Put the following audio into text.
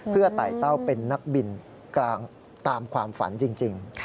เพื่อไต่เต้าเป็นนักบินกลางตามความฝันจริง